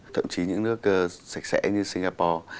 thậm chí những nước sạch sẽ như singapore